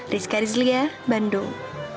rizka rizlia bandung